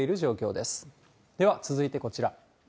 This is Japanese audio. では、続いてこちら。